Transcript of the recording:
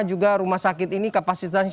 juga rumah sakit ini kapasitasnya sudah